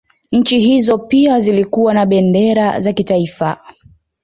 Nchi hizo pia zilikuwa na bendera za kitaifa